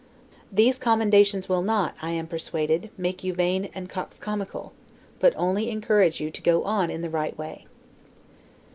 These commendations will not, I am persuaded, make you vain and coxcomical, but only encourage you to go on in the right way.